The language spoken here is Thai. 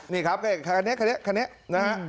นี่ครับคันนี้คันนี้นะฮะ